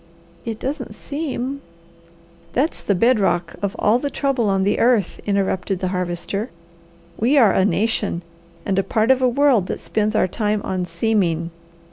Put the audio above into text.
"It doesn't seem " "That's the bedrock of all the trouble on the earth," interrupted the Harvester. "We are a nation and a part of a world that spends our time on 'seeming.'